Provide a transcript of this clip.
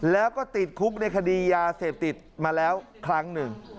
แล้วก็ติดคุกในคดียาเสพติดมาแล้วครั้งหนึ่ง